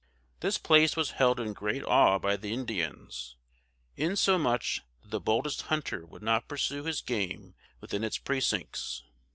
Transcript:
This place was held in great awe by the Indians, insomuch that the boldest hunter would not pursue his game within its precincts.